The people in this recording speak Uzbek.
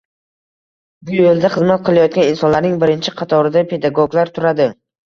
Bu yoʻlda xizmat qilayotgan insonlarning birinchi qatorida, pedagoglar turadi.